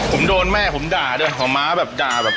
ผมโดนแม่ผมด่าด้วยของม้าแบบด่าแบบ